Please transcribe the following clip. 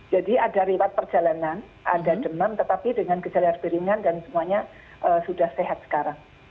jadi ada riwayat perjalanan ada demam tetapi dengan gejala yang lebih ringan dan semuanya sudah sehat sekarang